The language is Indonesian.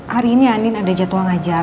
hari ini anin ada jadwal ngajar